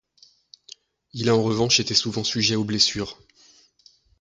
Il a en revanche été souvent sujet aux blessures.